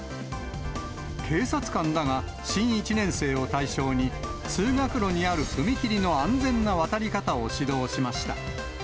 警察官らが新１年生を対象に、通学路にある踏切の安全な渡り方を指導しました。